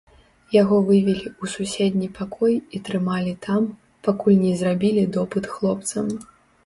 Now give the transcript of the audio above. Яго вывелі ў суседні пакой і трымалі там, пакуль не зрабілі допыт хлопцам.